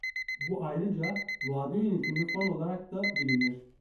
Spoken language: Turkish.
Bu ayrıca "Vade Yönetimli Fon" olarak da bilinir.